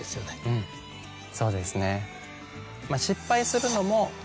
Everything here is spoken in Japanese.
うんそうですね。